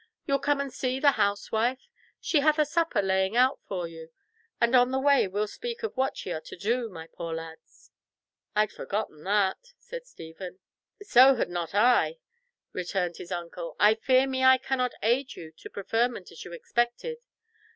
You'll come and see the housewife? She hath a supper laying out for you, and on the way we'll speak of what ye are to do, my poor lads." "I'd forgotten that," said Stephen. "So had not I," returned his uncle; "I fear me I cannot aid you to preferment as you expected.